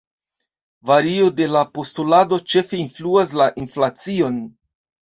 Vario de la postulado ĉefe influas la inflacion.